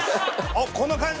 おっこの感じ